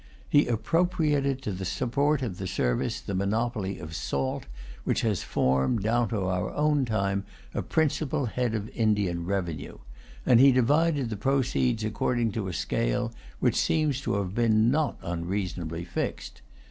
He appropriated to the support of the service the monopoly of salt, which has formed, down to our own time, a principal head of Indian revenue; and he divided the proceeds according to a scale which seems to have been not unreasonably fixed.